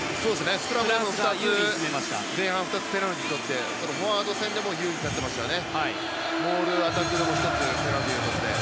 スクラムで前半に２つペナルティーをとってフォワード戦でも有利になっていましたね。